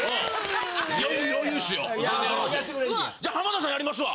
じゃあ浜田さんやりますわ！